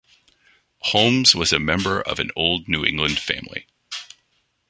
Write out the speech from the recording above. Holmes was a member of an old New England family.